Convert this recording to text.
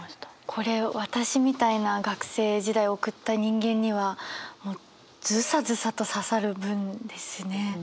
これ私みたいな学生時代を送った人間にはズサズサと刺さる文ですね。